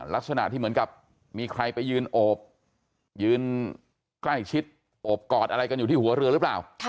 ลักษณะที่เหมือนกับมีใครไปยืนโอบยืนใกล้ชิดโอบกอดอะไรกันอยู่ที่หัวเรือหรือเปล่า